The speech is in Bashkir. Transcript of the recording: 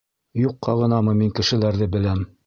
Юҡҡа ғынамы мин кешеләрҙе беләм...